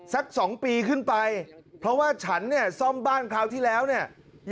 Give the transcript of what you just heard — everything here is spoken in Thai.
สัก๒ปีขึ้นไปเพราะว่าฉันเนี่ยซ่อมบ้านคราวที่แล้วเนี่ย